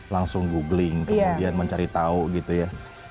langsung googling kemudian mencari tahu gitu ya